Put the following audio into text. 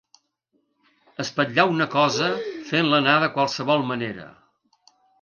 Espatllar una cosa fent-la anar de qualsevol manera.